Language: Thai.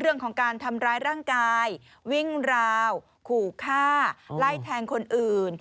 เรื่องของการทำร้ายร่างกายวิ่งราวขู่ฆ่าไล่แทงคนอื่น